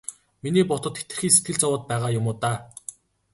Миний бодоход хэтэрхий сэтгэл зовоод байгаа юм уу даа.